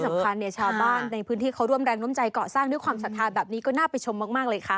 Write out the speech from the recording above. สำคัญเนี่ยชาวบ้านในพื้นที่เขาร่วมแรงร่วมใจเกาะสร้างด้วยความศรัทธาแบบนี้ก็น่าไปชมมากเลยค่ะ